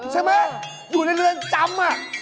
ใช่ไหมอยู่ในเรือนจำ